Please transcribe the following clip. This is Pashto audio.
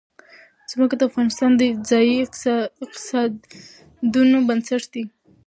ځمکه د افغانستان د ځایي اقتصادونو بنسټ دی.